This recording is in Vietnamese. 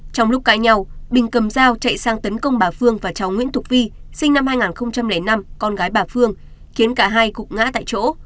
trong lúc cãi nhau bình cầm dao chạy sang tấn công bà phương và cháu nguyễn thụ vi sinh năm hai nghìn năm con gái bà phương khiến cả hai cũng ngã tại chỗ